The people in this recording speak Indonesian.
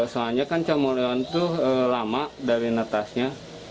soalnya kan camoleon itu lama dari netasnya